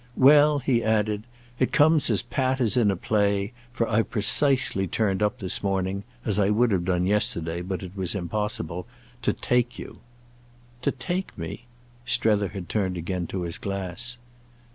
Well," he added, "it comes as pat as in a play, for I've precisely turned up this morning—as I would have done yesterday, but it was impossible—to take you." "To take me?" Strether had turned again to his glass.